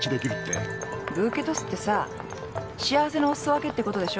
ブーケトスってさ幸せのおすそ分けってことでしょ？